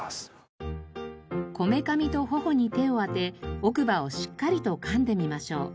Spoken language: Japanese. こめかみと頬に手を当て奥歯をしっかりと噛んでみましょう。